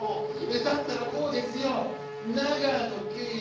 だったらこうですよ。